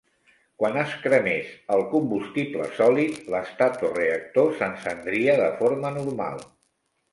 Quan es cremés el combustible sòlid, l'estatoreactor s'encendria de forma normal.